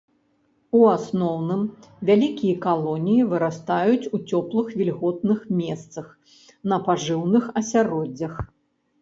У асноўным, вялікія калоніі вырастаюць у цёплых вільготных месцах, на пажыўных асяроддзях.